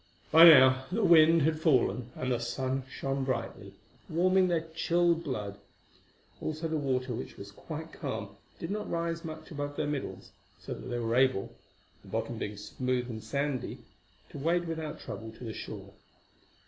By now the wind had fallen and the sun shone brightly, warming their chilled blood; also the water, which was quite calm, did not rise much above their middles, so that they were able—the bottom being smooth and sandy—to wade without trouble to the shore.